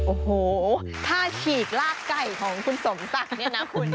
โอ้โหถ้าฉีกลากไก่ของคุณสมศักดิ์เนี่ยนะคุณ